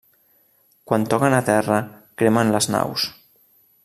Quan toquen terra, cremen les naus.